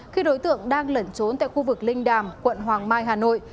khi đối tượng đang lẩn trốn tại khu vực linh đàm quận hoàng mai hà nội